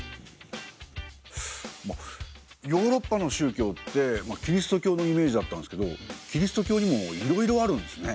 まあヨーロッパの宗教ってキリスト教のイメージだったんすけどキリスト教にもいろいろあるんですね。